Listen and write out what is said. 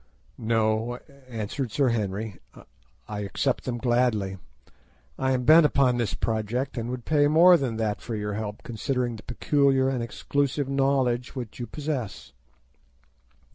"No," answered Sir Henry, "I accept them gladly. I am bent upon this project, and would pay more than that for your help, considering the peculiar and exclusive knowledge which you possess."